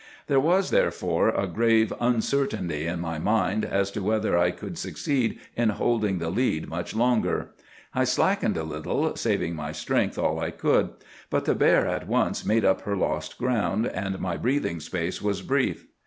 There was, therefore, a grave uncertainty in my mind as to whether I could succeed in holding the lead much longer. I slackened a little, saving my strength all I could; but the bear at once made up her lost ground, and my breathing space was brief.